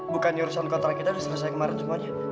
bukan urusan kontra kita udah selesai kemarin semuanya